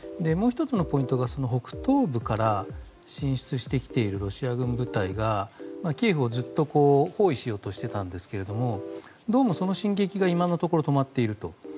もう１つのポイントが北東部から進出してきているロシア軍部隊がキエフをずっと包囲しようとしていたんですがどうもその進撃が今のところ止まっていると。